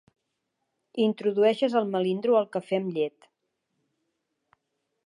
Introdueixes el melindro al cafè amb llet.